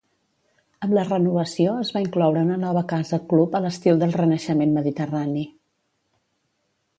Amb la renovació es va incloure una nova casa club a l'estil del renaixement mediterrani.